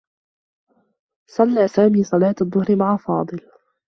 صلّى سامي صلاة الظّهر مع فاضل.